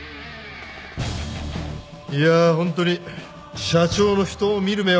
いやぁホントに社長の人を見る目は。